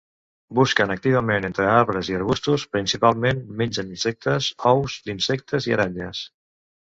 Busquen activament entre arbres i arbustos, principalment mengen insectes, ous d'insectes i aranyes.